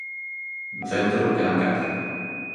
No centro quedan catro.